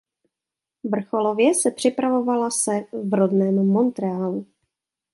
Vrcholově se připravovala se v rodném Montréalu.